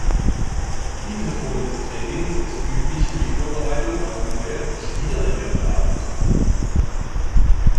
Diese Form des Trainings ist üblich für die Vorbereitung auf neue, schwierigere Aufgaben.